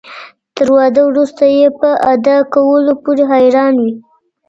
تر واده وروسته يي په ادا کولو پوري حيران وي